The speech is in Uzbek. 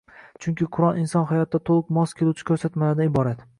Chunki Qur’on inson hayotiga to‘liq mos keluvchi ko‘rsatmalardan iborat.